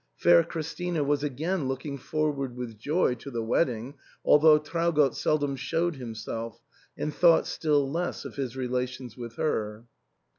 Fair Christina was again looking forward with joy to the wedding, although Traugott seldom showed himself — and thought still less of his relations with her.